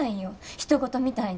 ひと事みたいに。